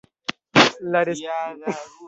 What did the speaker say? La respondoj al tiuj kialoj nomiĝas “kaŭzoj”.